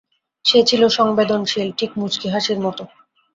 সে ছিল সংবেদনশীল, ঠিক মুচকি হাসির মতো।